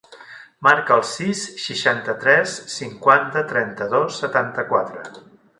Marca el sis, seixanta-tres, cinquanta, trenta-dos, setanta-quatre.